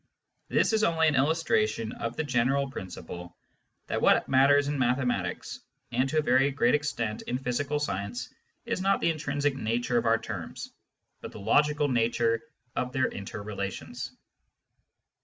This is only an illustration of the general / principle that what matters in mathematics, and to a very great P extent in physical science, is not the intrinsic nature of our ' terms, but the logical nature of their interrelations.